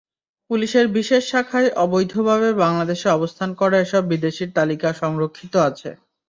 পুলিশের বিশেষ শাখায় অবৈধভাবে বাংলাদেশে অবস্থান করা এসব বিদেশির তালিকা সংরক্ষিত আছে।